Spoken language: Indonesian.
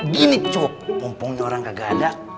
gini cukup mumpungnya orang kagak ada